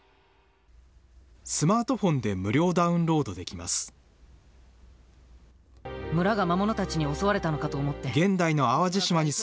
スマートフォンで無料ダウンロードできます。